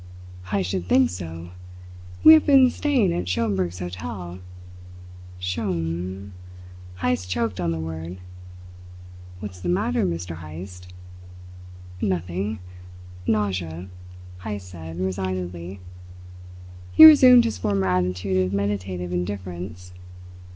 "I should think so! We have been staying at Schomberg's hotel." "Schom " Heyst choked on the word. "What's the matter, Mr. Heyst?" "Nothing. Nausea," Heyst said resignedly. He resumed his former attitude of meditative indifference.